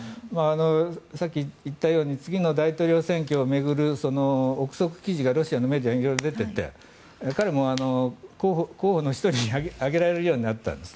さっき言ったように次の大統領選挙を巡る臆測記事がロシアのメディアに色々出ていて彼も候補の１人に挙げられるようになったんです。